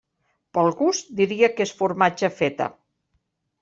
Pel gust, diria que és formatge feta.